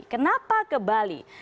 kenapa ke bali